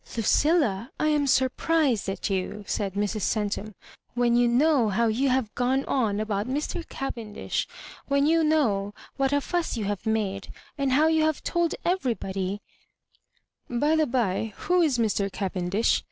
Lucilla, I am surprised at you," said Mrs. Centura, when you know how you have gone on about Mr. Cavendisb^ when you know what a fuss you have made, and how you have told everybody—" "By the by, who is Mr. Cavendish?'